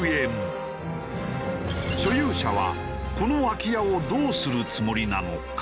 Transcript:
所有者はこの空き家をどうするつもりなのか？